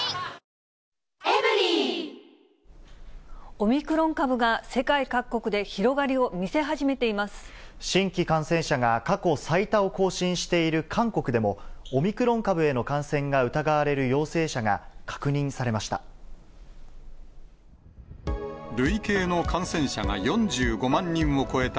オミクロン株が世界各国で広新規感染者が過去最多を更新している韓国でも、オミクロン株への感染が疑われる陽性者が確認されました。